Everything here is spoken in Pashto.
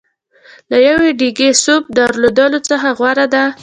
له یوه ډېګي سوپ درلودلو څخه غوره دی.